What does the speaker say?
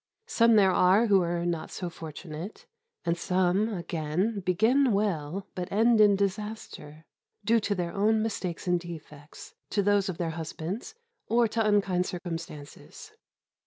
Some there are who are not so fortunate; and some, again, begin well but end in disaster, due to their own mistakes and defects, to those of their husbands, or to unkind circumstances.